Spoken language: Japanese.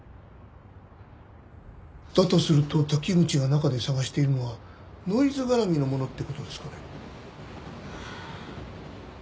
だとすると滝口が中で探しているのはノイズ絡みのものって事ですかね？